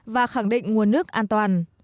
và khẳng định nguồn nước an toàn